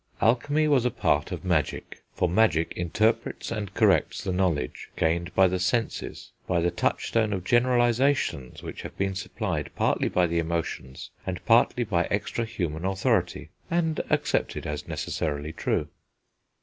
Alchemy was a part of magic; for magic interprets and corrects the knowledge gained by the senses by the touchstone of generalisations which have been supplied, partly by the emotions, and partly by extra human authority, and accepted as necessarily true.